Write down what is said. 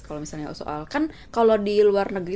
kalau misalnya soal kan kalau di luar negeri